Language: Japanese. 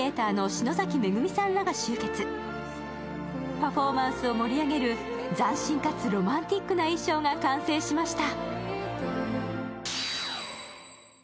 パフォーマンスを盛り上げる斬新かつロマンティックな衣装が完成しました。